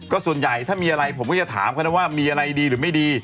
ส่วนใหญ่ถ้ามีอะไรผมก็จะถามเขานะว่ามีอะไรดีหรือไม่ดี